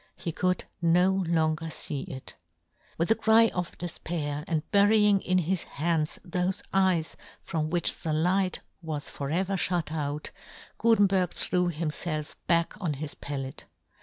He could no longer fee it ! With a cry of defpair, and bury yohn Gutenberg. 99 ing in his hands thofe eyes from which the Hght was for ever fhut out, Gutenberg threw himfelf back on his pallet.